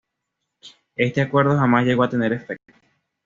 Éste acuerdo jamás llegó a tener efecto.